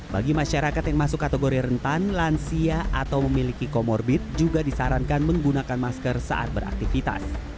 bagi masyarakat yang masuk kategori rentan lansia atau memiliki comorbid juga disarankan menggunakan masker saat beraktivitas